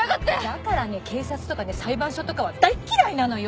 だからね警察とかね裁判所とかは大嫌いなのよ！